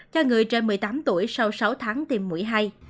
cho người trên một mươi tám tuổi sau sáu tháng tiêm mũi hai